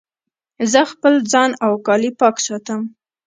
زه خپل ځان او کالي پاک ساتم.